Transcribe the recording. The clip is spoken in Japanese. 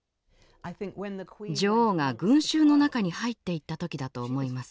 女王が群衆の中に入っていった時だと思います。